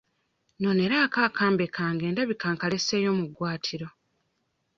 Noneraako akambe kange ndabika nkaleseeyo mu ggwaatiro.